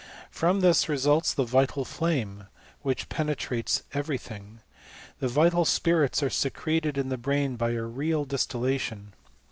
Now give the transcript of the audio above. From this results the vital: flame, which penetrates every thing. The vital spirits are secreted in the brain by a real distillation.